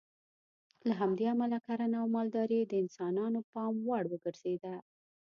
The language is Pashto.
له همدې امله کرنه او مالداري د انسانانو پام وړ وګرځېده.